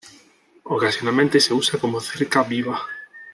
Ocasionalmente se usa como cerca viva.